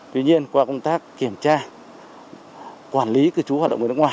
tuy nhiên qua công tác kiểm tra quản lý cư trú hoạt động người nước ngoài